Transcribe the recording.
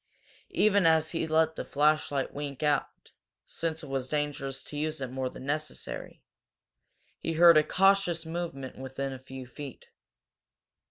Even as he let the flashlight wink out, since it was dangerous to use it more than was necessary, he heard a cautious movement within a few feet.